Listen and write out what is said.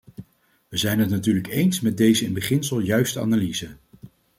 Wij zijn het natuurlijk eens met deze in beginsel juiste analyse.